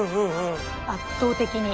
圧倒的に。